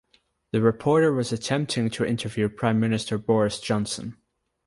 The reporter was attempting to interview Prime Minister Boris Johnson.